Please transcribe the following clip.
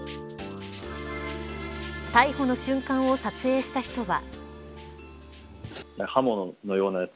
逮捕の瞬間を撮影した人は。